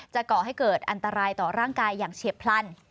ก่อให้เกิดอันตรายต่อร่างกายอย่างเฉียบพลัน